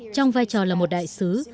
trong vai trò là một đại sứ